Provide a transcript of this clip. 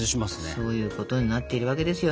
そういうことになってるわけですよ